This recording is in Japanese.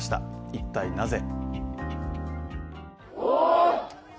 一体なぜ？